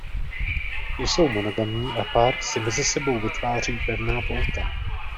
Jsou monogamní a páry si mezi sebou vytváří pevná pouta.